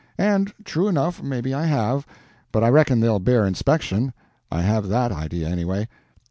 And, true enough, maybe I have; but I reckon they'll bear inspection—I have that idea, anyway.